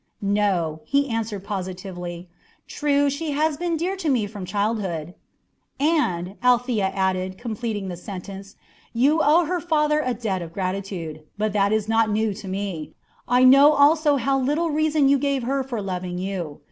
"No," he answered positively. "True, she has been dear to me from childhood " "And," Althea added, completing the sentence, "you owe her father a debt of gratitude. But that is not new to me; I know also how little reason you gave her for loving you.